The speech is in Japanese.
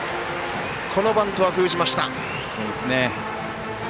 このバントは封じました。